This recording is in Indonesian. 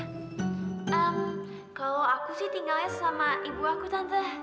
ehm kalo aku sih tinggalnya sama ibu aku tante